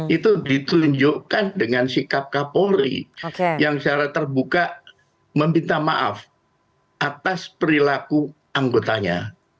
itu ditunjukkan dengan sikap kapolri yang secara terbuka meminta maaf atas perilaku anggotanya